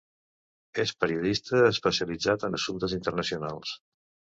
És periodista especialitzat en assumptes internacionals.